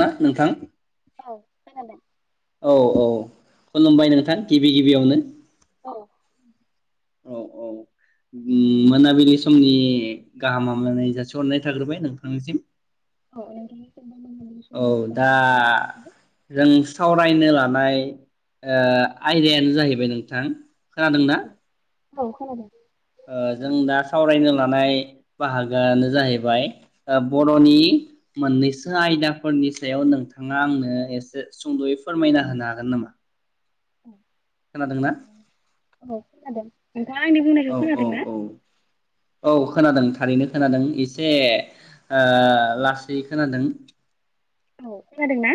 मा नोंथां औ खोनादों। औ औ खुलुमबाय नोंथां गिबि गिबियावनो। औ। औ औ बि मोनाबिलि समनि गाहाम हामलायनाय जासिहरनाय थाग्रोबाय नोंथांनिसिम। नोंथांनिसिमबो मोनाबिलि औ समनि दा गाहाम हामलायनायखौ जासिबाय। जों सावरायनो लानाय ओ आयदायानो जाहैबाय नोंथां खोनादोंना? औ खोनादों। ओ जों दा सावरायनो लानाय बाहागोआनो जाहैबाय ओ बर'नि मोननैसो आयदाफोरनि सायाव नोंथाङा आंनो एसे सुंद'यै फोरमायना होनो हागोन नामा? खोनादोंना [unintelligible] औ खोनादो। औ औ औ औ खोनादों थारैनो खोनादों। इसे ओ लासै खोनादों। औ खोनादोंना?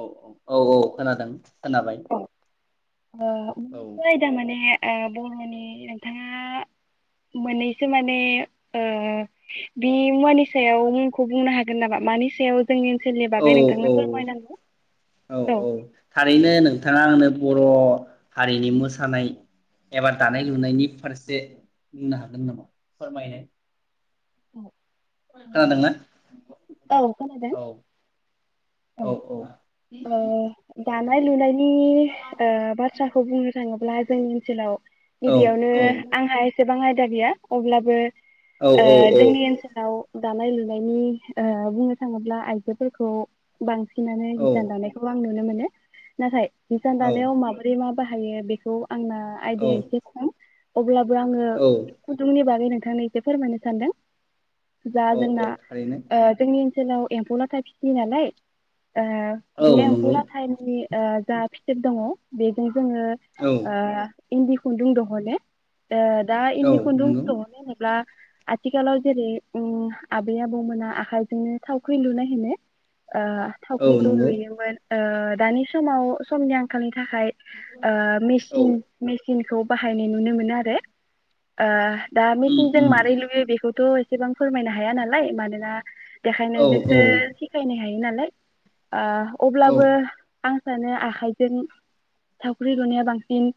औ औ औ औ खोनादों। खोनाबाय। ओ औ मोननैसो आयदा माने ओ बर'नि नोंथाङा मोननैसो माने ओ बि मुवानि सायाव मुंखौ बुंनो हागोन नामा? मानिसायाव औ औ औ औ थारैनो नोंथाङा आंनो बर' हारिनि मोसानाय एबा दानाय लुनायनि फारसे बुंनो हागोन नामा फोरमायनाय। औ खोनादोंना औ खोनादों। औ औ ओ दानाय लुनायनि ओ बाथ्राखौ बुंनो थाङोब्ला जोंनि ओनसोलाव औ गिबियावनो औ आंहा एसेबां आयद दा गैया अब्लाबो औ ओ जोंनि ओनसोलाव दानाय लुनायनि ओ बुंनो थाङोब्ला आइजोफोरखौ बांसि नानो हिसान दानायखौ आं नुनो मोन नाथाय हिसान दानायाव माबोरै माब बाहायो बेखौ आंना औ आयदाया इसे खम अब्लाबो बो आङो खुनदुंनि बागै नों थांनो इसे फोरमायनो सानदों। जा औ औ जोंना थारैनो ओ जोंनि ओनसोलाव एम्फौ लाथा फिसियो नालाय ओ औ बे एम्फौ नंगौ लाथायनि ओ जा फिथोब दङ बेजों जोङो औ ओ इन्दि खुन्दुं दहनो। ओ दा औ इन्दि खुन्दुं नंगौ दहनो होनोब्ला आथिखालाव जेरै ओम आबै आबौमोना आखायजोंनो थावखै लुनाय होनो। ओ औ थावख्रिखौ नंगौ लुयोमोन। ओ दानि समाव समनि आंखालनि थाखाय ओ औ मेचिन मेसिनखौ बाहायनाय नुनो मोनो आरो ओ दा उम मेचिनजों उम मारै लुयो बेखौ थ' एसेबां फोरमायनो हाया नालाय मानोना औ औ देखायनायजोंसो सिखायनाय जायो नालाय ओ औ अब्लाबो आं सानो आखाइजों थावख्रि लुनाया बांसिन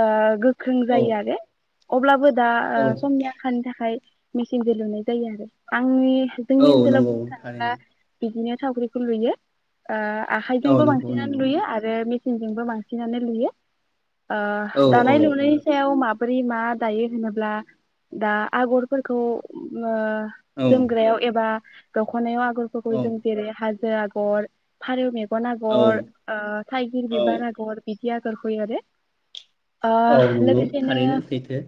ओ गो ख्रों औ जायो आरो अब्लाबो दा ओ औ समनि आंखालनि थाखाय मेचिनजों लुनाय जायो आरो आंनि जोंनि औ ओनसोलाव नंगौ बुंनो थारैनो थाङोब्ला बिदिनो थावख्रिखौ लुयो ओ औ आखायजोंबो नंगौ बांसिनानो नंगौ लुयो आरो सिनजोंबो बांसिनानो लुयो। ओ औ औ दानाय लुनायनि सायाव माब बोरै मा दायो होनोब्ला दा आगरफोरखौ मो औ जोमग्रायाव एबा दख'नायाव फोरखौबो औ जों हाजो आगर फारौ मेग गन औ आगर ओ थाइगिर औ बिबार आगर बि दि आगरखौ एरो। ओ औ नंगौ लोगोसेनो थारैनो सैथो।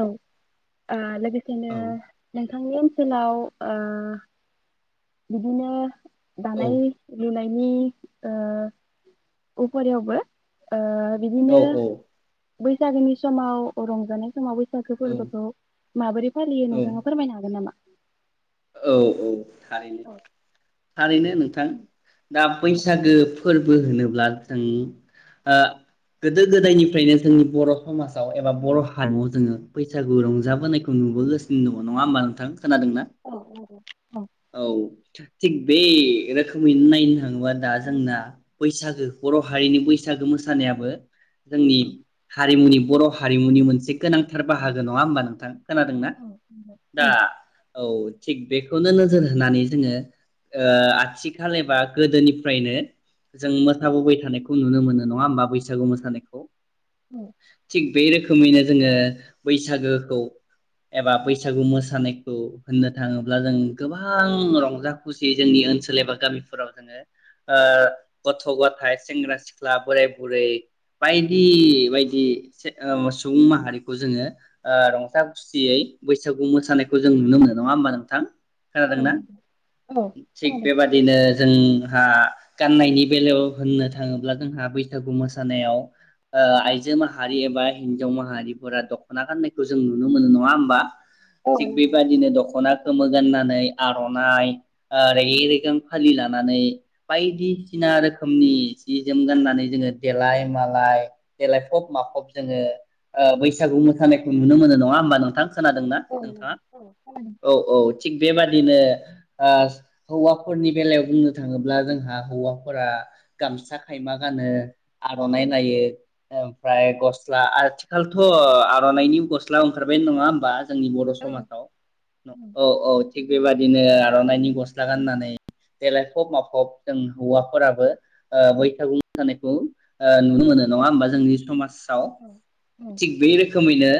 औ ओ लो गोसेनो औ नोंथांनि ओनसोलाव ओ बिदिनो औ दानायाय लुनाय बिनि ओ उपुरियावबो ओ औ बिदिनो बैसागोनि समाव रंजानाय समाव बै सागो औ फोरबोखौ माबोरै फालियो औ नोंथाङा फोरमायनो हागोन नामा? औ औ थारैनो-थारैनो नोंथां दा बैसागो फोरबो होनोब्ला जों ओ गोदो-गोदायनिफ्रायनो जोंनि बर' समाजाव एबा बर' हारिमुआव जोंङो बैसागु रंजाबोनायखौ नुबोगासिनो दंङ नङा होमबा नोंथां खोनादोंना। औ थिग बे रोखोमैनो नायनो थाङोबा दा जोंना बैसागो बर' हारिनि बैसागो मोसानायाबो जोंनि हारिमुनि बर'हारिमुनि मोनसे गोनांथार बाहागो नङा होमबा नोंथां खोनादोंना दा औ औ थिग बेखौनो नोजोर होनानै जोंङो ओ आथिखाल एबा गोदोनिफ्रायनो जों मोसाबोबाय थानायखौ नुनो मोनो नङा होमबा बैसागु मोसानायखौ। थिक बे रो खोमैनो जोंङो बैसागोखौ एबा बैसागु मोसानायखौ होननो थाङोब्ला जों गोबां रंजा खुसियै जोंनि ओनसोल एबा गामिफोराव जोंङो गथ' गथायाइ सेंग्रा सिख्ला बोराय बुरै बायदि बायदि सुबुं माहारिखौ जोंङो रंजा खुसियै बैसागु मोसानायखौ जों नुनो मोनो। नङा होमबा नोंथां? औ खोनादोंना थिग खोनादों बेबादिनो जोंहा गाननायनि बेलायाव होननो थाङोब्ला जोंहा बैसागु मोसानायाव आइजो माहारि एबा हिन्जाव माहारिफोरा दख'ना गाननायखौ जों नुनो मोनो नङा होमबा। औ थिग बेबादिनो दख खना गोमो गाननानै आर'नाइ रेगे रेगां फालि लानानै बायदिसिना रोखोमनि सि जोम गाननानै जोंङो देलाय मालाय देलायफब माखब जोंङो ओ बैसागु मोसानायखौ नुनो मोनो नङा होमबा नोंथां। खोनादोंना नोंथाङा औ औ थिग बेबादिनो ओ हौवाफोरनि बेलायाव बुंनो थाङोब्ला जोंहा हौवाफोरा गामसा खायमा गानो आर'नाइ नायो ओमफ्राय गस्ला आथिखालथ' आर'नाइनि गस्ला ओंखारबाय नङा होमबा जोंनि बर' समाजाव औ औ थिग बेबादिनो आर'नाइनि गस्ला गाननानै देलायफब माफब जों हौवाफोराबो बैसागु मोसानायखौ नुनो मोनो नङा होमबा जोंनि समाज आव थिग बे रोखोमैनो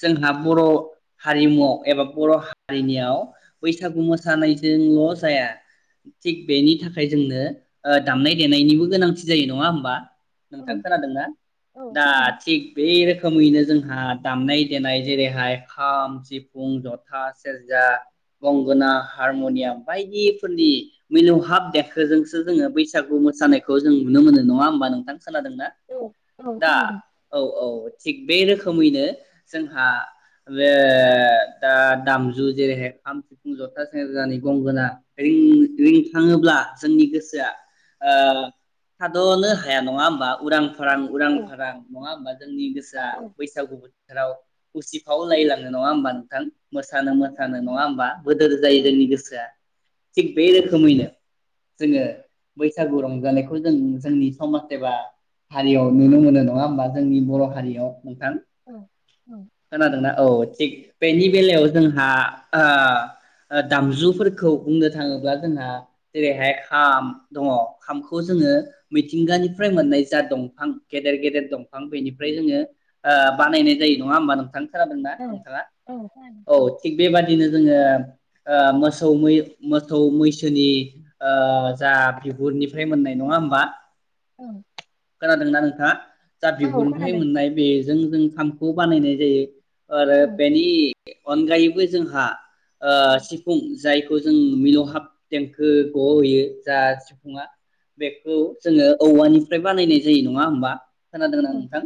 जोंहा बर' हारिमुआव एबा बर' हारिनियाव बैसागु मोसानायजोंल जाया थिग बेनि थाखाय जोंनो ओ दामनाय देनायनिबो गोनांथि जायो नङा होमबा। नोंथां खोनादोंना औ दा खोनादों थिग बे रोखोमैनो जोंहा दामनाय देनाय जेरैहाय खाम, सिफुं, जथा सेरजा, गंगोना, हारमनियाम बायदिफोरनि मिलौहाब देंखोजोंसो जोङो बैसागु मोसानायखौ जों नुनो मोनो नङा होमबा नोंथां खोनादोंना? औ दा खोनादों औ औ। थिग बे रोखोमैनो जोंहा बे दा-दाम जु जेरैहाय खाम सिफुं जथा सेरजानि गंगोना रिं-रिंखाङोब्ला जोंनि गोसोआ ओ थाद'नो हाया नङा होमबा उरां फारां उरां फारां नङा होमबा जोंनि गोसोआ बैसागु बोथोराव उसिफाव लायलाङो नङा होमबा नोंथां? मोस सानो मोसानो नङा होमबा बोदोर जायो जोंनि गोसोआ। थिग बे रोखोमैनो जोङो बैसागु रंजानायखौ जों जोंनि समाज एबा हारियाव नुनो मोनो नङा होमबा जोंनि बर' हारियाव नोंथां खोनादोंना औ थिग बेनि बेलायाव हा ओ ओ दामजुफोरखौ बुंनो थाङोब्ला जोंहा जेरैहाय खाम दङ खामखौ जोङो मिथिंगानिफ्राय मोननाय जा दंफां गेदेर गेदेर दंफां बेनिफ्राय जोङो ओ बानायनाय जायो नङा होमबा नोंथां? खोनादोंना नोंथाङा? औ थिग बेबादिनो जोङो ओ मोसौ मै मोसौ मैसोनि ओ जा बिगुरनिफ्राय मोननाय नङा होमबा? औ खोनादोंना नोंथाङा? जा बिगुरनिफ्राय मोननाय बेजों जों खामखौ बानायनाय जायो। ओरो बेनि अनगायैबो जोंहा ओ सिफुं जाय बो जों मिलौहाब देंखो ग'होयो जा सिफुङा बेखौ जोङो औवानिफ्राय बानायनाय जायो नङा होमबा? खोनादों ना नोंथां?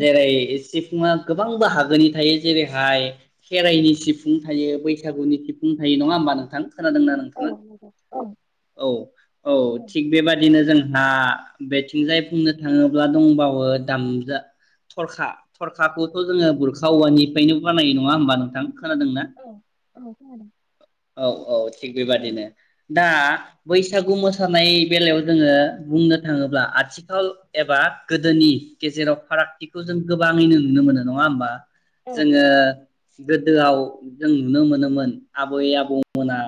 जेरै इसिफ फुंआ गोबां बहागोनि थायो जेरैहाय खेराइनि सिफुं थायो बैसागुनि सिफुं थायो नङा होमबा नोंथां? खानादोंना नोंथाङा? औ। औ थिग बेबादिनो जों हा बेथिंजाय बुंनो थाङोब्ला दंबावो दामजा थरखा थरखाखौथ' जोङो बुरखा औवानिफ्रायनो बानायो नङा होमबा नोंथां? खोनादोंना? औ औ थिग बेबादिनो दा बैसागु मोसानाय बेलायाव जोङो बुंनो थाङोब्ला आथिखाल एबा गोदोनि गेजेराव फारागथिखौ जों गोबाङैनो नुनो मोनो नङा होमबा? जोङो गोदोआव जों नुनो मोनोमोन आबै आबौमोना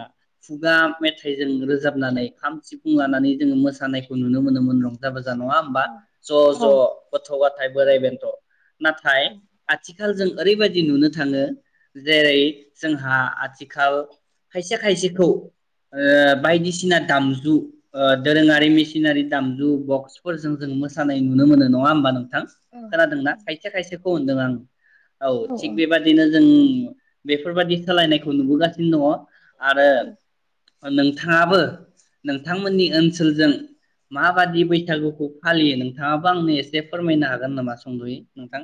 खुगा मेथाइजों रोजाबनानै खाम सिफुं लानानै जोङो मोसानायखौ नुनो मोनोमोन रंजा बाजा जा नङा होमबा ज' ज' गथ' गथ बोराय बेेनथ'। नाथाय आथिखाल जों ओरैबायदि नुनो थाङो जेरै जोंहा आथिखाल खायसे खायसेखौ ओ बायदिसिना दामजु ओ दोरोङारि मेसिनारि दामजु बक्सफोरजों जों मोसानाय नुनो मोनो नङा होमबा नोंथां? खोनादोंना खायसे खायसेखौ होनदों आं औ थिग बेबादिनो जों बेफोरबादि सोलायनायखौ नुबोगासिनो दङ। आरो नोंथाङाबो नोंथांमोननि ओनसोलजों माबादि बैसागुखौ फालियो नोंथाङाबो आंनो एसे फोरमायनो हा हागोन नामा सुंदयै नोंथां?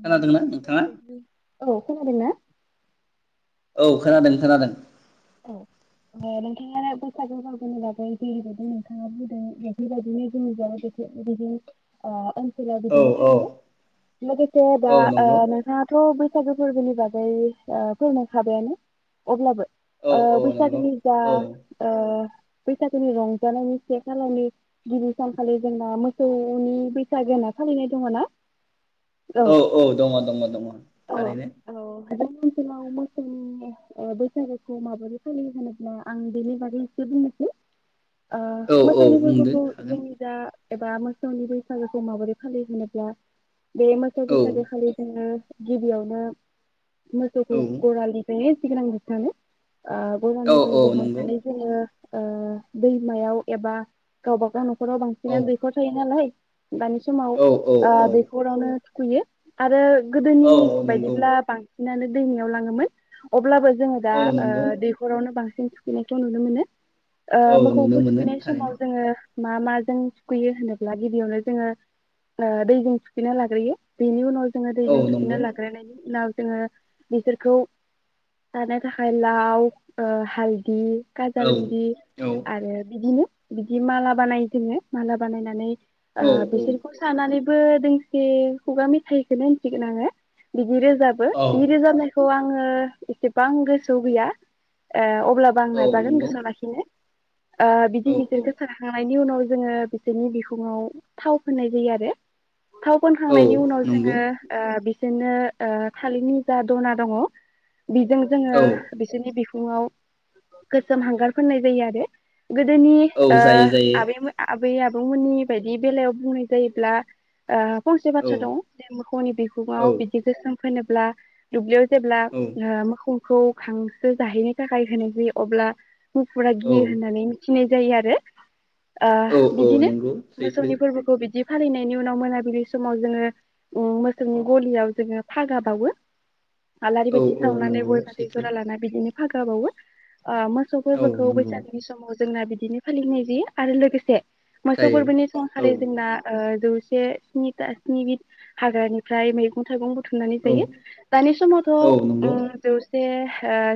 खोनादोंना नोंथाङा औ खोनादों खोनादों। औ ओ नोंथाङा बैसागु फोरबोनि बागै जेरैबायदि नोंथाङा बुदों बेफोरबायदिनो जोंनि जाय बि बिदिनो ओ लावबो औ बिदिनो औ फालियो लोगोसे दा औ नंगौ ओ नोंथाङाथ बै बैसागो फोरबोनि बागै ओ फोरमायखाबायानो अब्लाबो औ ओ औ नंगौ बैसागोनि जा औ ओ बैसागोनि रंजानायनि से खालारनि गिबि सानखालि जोंना मोसौ नि बैसागो होना फालिनाय दङ ना? औ औ दङ दङ दङ थारैनो। [inaudible] गोखौ माबोरै फालियो होनोब्ला आं बेनि बारै एसे बुंनोसै। ओ औ औ मोसौनि बुंदो फोरबोखौ हागोन जोंनिजा एबा मोसौनि बैसागोखौ माबोरै फालियो होनोब्ला बे मोसौ औ बैसागो खालि जोङो गिबियावनो औ मोसौखौ गरालनिफायनो [inaudible] ओ औ गलनिफाय औ नंगौ बहननानै जोङो ओ दैमायाव एबा गावबा गाव न नखराव औ बांसिनानो दैखर थायो नालाय। दानि समाव औ औ ओ औ दैखरावनो थुखैयो आरो-' गोदोनि औ औ नंगौ बायदिब्ला बांसिन बिनानै दैमायाव लाङोमोन अब्लाबो जोङो दा औ ओ नंगौ दैखरावनो बांसिन थुखैनायखौ नुनो मोनो ओ औ नुनो मोखौखौ मोनो थुखैनाय समाव थारैनो जोङो मा माजों थुखैयो होनोब्ला गिबियावनो जोङो ओ दैजों थुखैना लाग्रोयो बेनि उनाव जोङो औ दैजों थुखैना नंगौ लाग्रायनायनि उनाव जोङो बिसोरखौ लानो थाख आय लाउ ओ हालदि औ काजालगुरि औ आरो बिदिनो बिदि माला बानायो जोङो माला बानायनानै औ आ औ बेसोरखौ सारनानै बो दोंसे खुगा मेथाइखौनो होनसिगोन आङो बि दि रोजाबो औ बि रोजाबनायखौ आं आङो इसेबां गोसो आव गैया ओ अ ब्लाबो आं औ नायफागोन नंगौ गोसोआव लाखिनो ओ बिदि औ औ बिसोरखौ साराखांनायनि उनाव जोङो बिसोरनि बिखुङाव थाव फोननाय जायो आरो थाव औ फोनखांनायनि उनाव नंगौ जोङो ओ बिस जोङो ओ थालिरनि जा दना दङ बेजों औ जोङो बिनि बिखुङाव गोसोम हांगार फोननाय जायो आरो गोदोनि औ ओ जायो जायो आबैमो आ आ आबै आबौमोननि बायदि बेलायाव बुंनाय जायोब्ला ओ फंसे औ बाथ्रा दं जे मोखौनि औ बिगुङाव बिदि गोसोम फोनोब्ला दुब्लियाव जेब्ला औ ओ मोखौ खौ खांसो जाहैनो थाखाय होनो जायो अब्ला मुफुरा औ गियो होननानै मिथि फुनाय जायो आरो ओ औ औ बिदिनो नंगौ सैथो मोसौनि फोरबोखौ बिदि फालिनायनि उनाव मोनाबिलि समाव जोङो ओ मोसौनि गलियाव जोङो फागा बावो आलारि औ बाथि औ सावनानै नंगौ गय फाथै फाथै सैथो जरा लाना बिदिनो हागा बावगोन। आ मोसौ औ फोरबोखौ नंगौ बैसागोनि समाव जोंना बिदिनो फालिनाय जायो आरो लोगोसे मोसौ जायो फोरबोनि औ समखालि जोंना जौ से नि बि हाग्रानिफ्राय मैगं थाइगं थुमनानै औ जायो दानि समावथ' औ नंगौ ओम जौ जे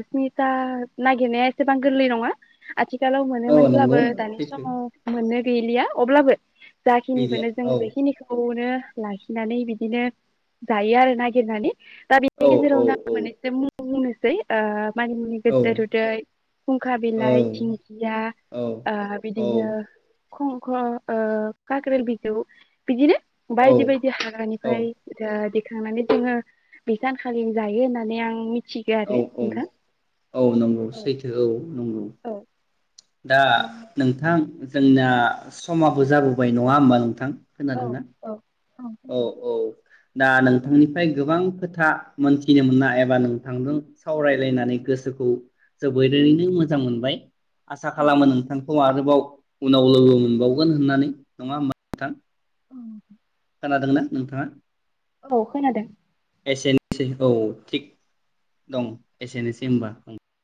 स्निथा नागिरनाया एसेबां गोरलै नङा। आथिखालाव औ नंगौ मोनोमोनब्लाबो दानि सैथो समाव मोनो। गैलिया अब्लाबो गैलिया जाखिनिखौनो जों औ बेखिनिखौनो लाखिनानै बिदिनो जायो आरो नागिरनानै। दा बेनि औ औ गेजेरावनो आं औ मोननैसो बुं बुंनोसै ओ मानिमुनि औ गोदो उनदै फुंखा औ बिलाइ दिंखिया औ ओ औ बिदिनो खंखल ओ काकेल बिजौ बिदिनो बायदि बायदि औ हाग्रानिफ्राय ओजा थांनानै जोङो बे सानखालि जायो होननानै आं मि औ औ औ नंगौ सैथो औ नंगौ। दा नोंथां जोंना समाबो जाबोबाय नङा होमबा नोंथां। औ खोनादोंना? औ। औ औ। दा नोंथांनिफ्राय गोबां खोथा मोनथिनो मोना एबा नोंथांजों सावरायलायनानै गोसोखौ जोबोरैनो मोजां मोनबाय। आसा खालामो नोंथां खौ आरोबाव उनाव लोगो मोनबावगोन होननानै नङा होमबा नोंथां‌। [inaudible] खोनादोंना नोंथाङा? औ खोनादों। एसेनोसै औ थिग दं एसेनोसै होनबा ओ।